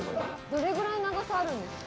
どれぐらい長さあるんですか？